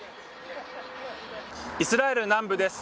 イスラエル南部です。